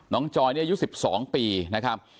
น้องจอยนี่อายุสิบสองปีนะครับ